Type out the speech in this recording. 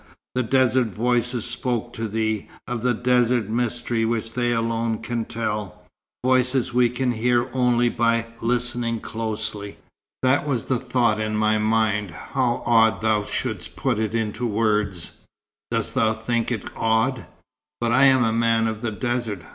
The desert voices spoke to thee, of the desert mystery which they alone can tell; voices we can hear only by listening closely." "That was the thought in my mind. How odd thou shouldst put it into words." "Dost thou think it odd? But I am a man of the desert.